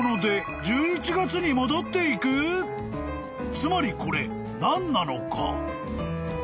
［つまりこれ何なのか？］